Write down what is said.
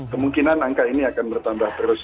kemungkinan angka ini akan bertambah terus